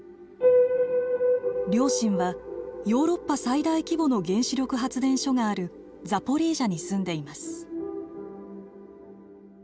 両親はヨーロッパ最大規模の原子力発電所があるザポリージャに住んでいます。